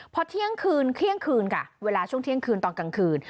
พอเที่ยงคืนเที่ยงคืนค่ะเวลาช่วงเที่ยงคืนตอนกลางคืน